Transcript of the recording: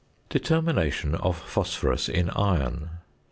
~Determination of Phosphorus in Iron.